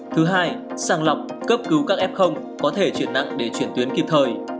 thứ hai sàng lọc cấp cứu các f có thể chuyển nặng để chuyển tuyến kịp thời